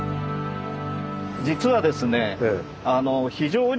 実はですね